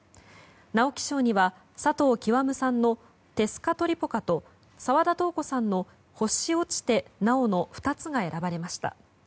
直木賞には佐藤究さんの「テスカトリポカ」と澤田瞳子さんの「星落ちて、なお」の２つが選ばれました。